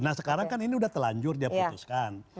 nah sekarang kan ini udah telanjur dia putuskan